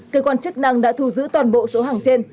cơ quan chức năng đã thu giữ toàn bộ số hàng trên